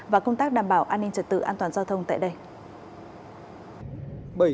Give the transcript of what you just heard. và công tác đảm bảo an ninh trật tự an toàn giao thông tại đây